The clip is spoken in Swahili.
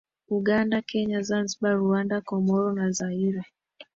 Uganda Kenya Zanzibar Rwanda Komoro na Zaire